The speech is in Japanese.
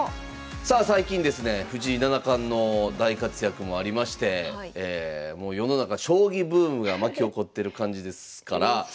さあ最近ですね藤井七冠の大活躍もありまして世の中将棋ブームが巻き起こってる感じですから。